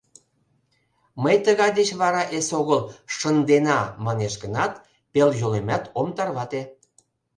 Мый тыгай деч вара эсогыл «шындена» манеш гынат, пел йолемат ом тарвате.